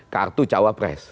kartu cawa pres